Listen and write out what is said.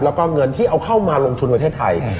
แล้วก็เงินที่เอาเข้ามาลงทุนประเทศไทย